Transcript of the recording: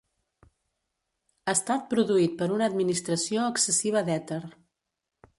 Estat produït per una administració excessiva d'èter.